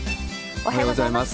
おはようございます。